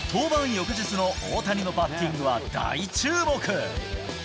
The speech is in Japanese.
翌日の大谷のバッティングは大注目。